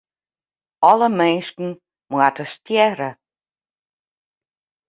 Alle minsken moatte stjerre.